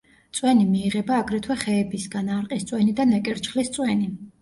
წვენი მიიღება აგრეთვე ხეებისგან: არყის წვენი და ნეკერჩხლის წვენი.